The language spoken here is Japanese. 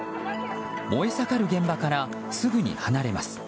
燃え盛る現場からすぐに離れます。